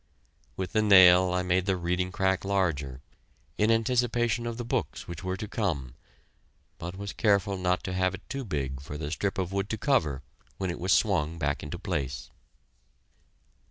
With the nail I made the reading crack larger, in anticipation of the books which were to come, but was careful not to have it too big for the strip of wood to cover when it was swung back into place.